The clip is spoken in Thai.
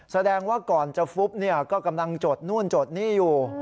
แสดงว่าก่อนจะฟุบก็กำลังจดนู่นจดนี่อยู่